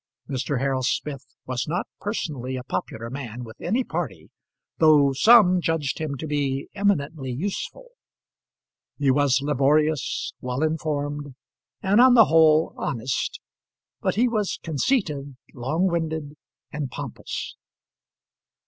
Mr. Harold Smith was not personally a popular man with any party, though some judged him to be eminently useful. He was laborious, well informed, and, on the whole, honest; but he was conceited, long winded, and pompous.